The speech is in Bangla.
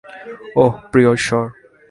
ওহ, প্রিয় ইশ্বর!